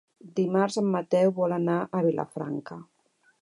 Dimarts en Mateu vol anar a Vilafranca.